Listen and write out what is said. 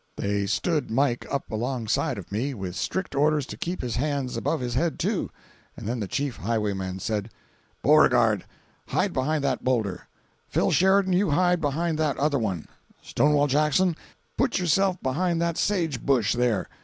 jpg (72K) They stood Mike up alongside of me, with strict orders to keep his hands above his head, too, and then the chief highwayman said: "Beauregard, hide behind that boulder; Phil Sheridan, you hide behind that other one; Stonewall Jackson, put yourself behind that sage bush there.